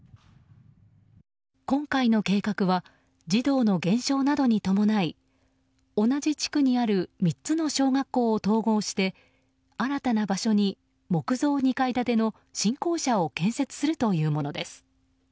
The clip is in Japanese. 今回の計画は児童の減少などに伴い同じ地区にある３つの小学校を統合して新たな場所に木造２階建ての新校舎を建設するというものです。